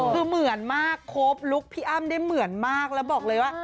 คือเหมือนมากครบลุคพี่อ้ำได้เหมือนมากแล้วบอกเลยว่า